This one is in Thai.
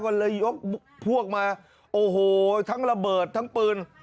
ก็เลยยกพวกมาโอ้โหทั้งระเบิดทั้งปืน